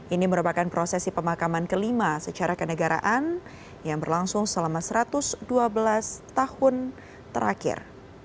ini merupakan prosesi pemakaman kelima secara kenegaraan yang berlangsung selama satu ratus dua belas tahun terakhir